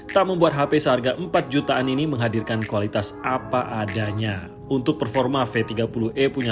tak membuat hp seharga empat jutaan ini menghadirkan kualitas apa adanya untuk performa v tiga puluh e punya